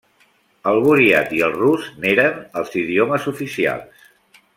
El buriat i el rus n'eren els idiomes oficials.